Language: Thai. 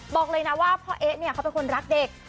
บอกเลยนะว่าพ่อเอ๊ะเนี่ยเขาเป็นคนรักเด็ก